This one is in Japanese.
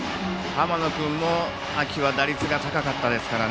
浜野君も秋は打率が高かったですから。